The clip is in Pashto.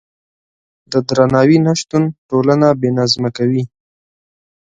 د درناوي نشتون ټولنه بې نظمه کوي.